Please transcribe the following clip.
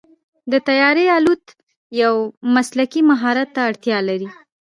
د طیارې الوت یو مسلکي مهارت ته اړتیا لري.